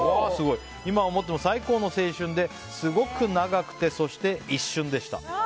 今思っても最高の青春ですごく長くてそして一瞬でした。